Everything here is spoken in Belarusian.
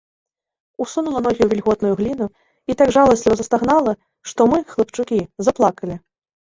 Усунула ногі ў вільготную гліну і так жаласліва застагнала, што мы, хлапчукі, заплакалі.